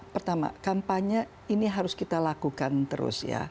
pertama kampanye ini harus kita lakukan terus ya